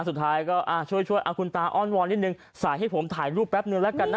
สุดท้ายก็ช่วยช่วยคุณตาอ้อนวอนนิดนึงใส่ให้ผมถ่ายรูปแป๊บนึงแล้วกันนะ